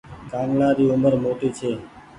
ڪآنگلآ ري اومر موٽي ڇي۔